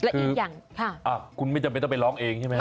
อ๋อคือคุณไม่จำเป็นต้องไปร้องเองใช่ไหม